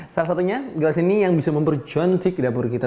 salah satunya gelas ini yang bisa memperconcik dapur kita